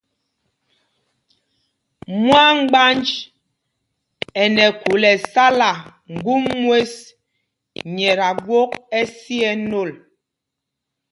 Mwâmgbánj ɛ nɛ khûl ɛsala ŋgum mwes nyɛ ta gwok ɛsi ɛ nôl.